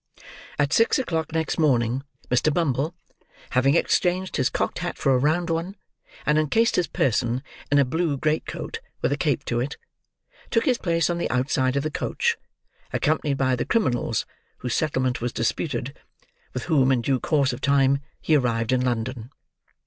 At six o'clock next morning, Mr. Bumble: having exchanged his cocked hat for a round one, and encased his person in a blue great coat with a cape to it: took his place on the outside of the coach, accompanied by the criminals whose settlement was disputed; with whom, in due course of time, he arrived in London.